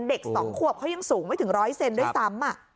เด็ก๒ขวบเขายังสูงไม่ถึง๑๐๐เซนด้วยซ้ำ